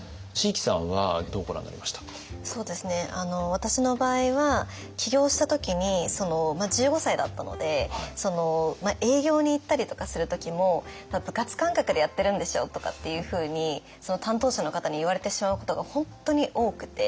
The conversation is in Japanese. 私の場合は起業した時に１５歳だったので営業に行ったりとかする時も「部活感覚でやってるんでしょ？」とかっていうふうにその担当者の方に言われてしまうことが本当に多くて。